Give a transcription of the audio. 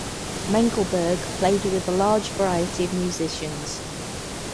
Mengelberg played with a large variety of musicians.